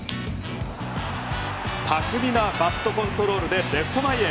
たくみなバットコントロールでレフト前へ。